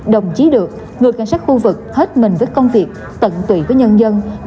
đồng chí được người cảnh sát khu vực hết mình với công việc tận tụy với nhân dân